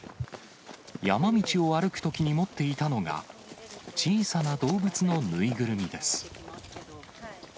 山道を歩くときに持っていたのが、小さな動物の縫いぐるみです。